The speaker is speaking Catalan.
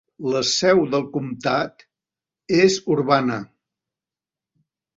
La seu del comtat és Urbana.